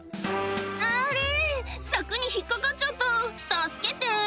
「あれ柵に引っかかっちゃった助けて」